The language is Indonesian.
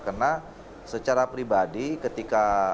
karena secara pribadi ketika